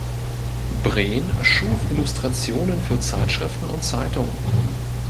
Bren schuf Illustrationen für Zeitschriften und Zeitungen.